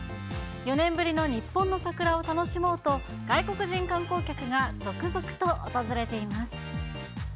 ４年ぶりの日本の桜を楽しもうと、外国人観光客が続々と訪れています。